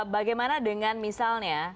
bagaimana dengan misalnya